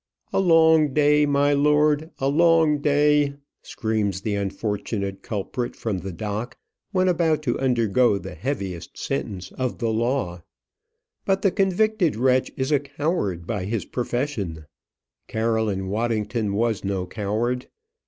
"A long day, my lord, a long day," screams the unfortunate culprit from the dock when about to undergo the heaviest sentence of the law. But the convicted wretch is a coward by his profession. Caroline Waddington was no coward.